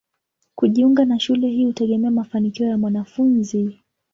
Kujiunga na shule hii hutegemea mafanikio ya mwanafunzi.